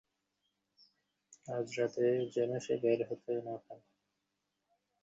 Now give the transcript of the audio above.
আজ রাতে যেন সে বের হতে না পারে।